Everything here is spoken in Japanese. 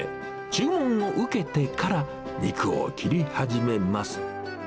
注文を受けてから肉を切り始めます。